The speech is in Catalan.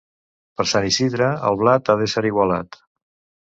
Per Sant Isidre el blat ha d'ésser igualat.